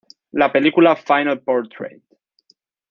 La película "Final Portrait.